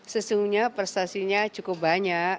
sesungguhnya prestasinya cukup banyak